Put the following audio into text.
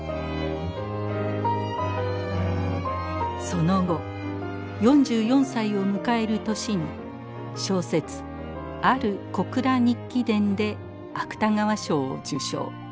その後４４歳を迎える年に小説「或る『小倉日記』伝」で芥川賞を受賞。